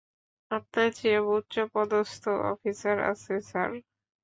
আপনার চেয়েও উচ্চপদস্থ অফিসার আছে, স্যার।